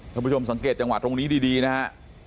ผู้ชมสังเกตจังหวะตรงนี้ดีนะฮะ